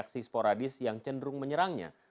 kegemaran jelas dan yang oh aneh berat ya